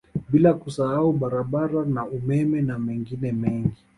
Bila kusahau barabara na umeme na mengine mengi